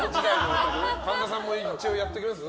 神田さんも一応やっときます？